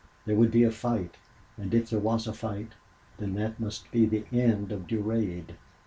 There would be a fight. And if there was a fight, then that must be the end of Durade.